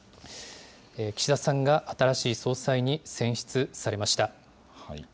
岸田さんが新しい総裁に選出されました。